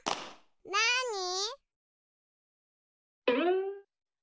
なに？